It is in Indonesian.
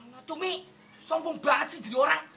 mana tuh mi sombong banget sih jadi orang